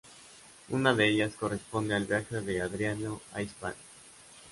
Una de ellas corresponde al viaje de Adriano a Hispania.